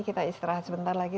kita istirahat sebentar lagi